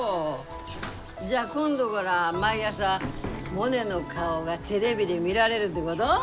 じゃあ今度がら毎朝モネの顔がテレビで見られるってごど？